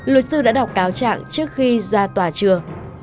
luật sư đã đọc cáo trạng trước khi ra tòa trưa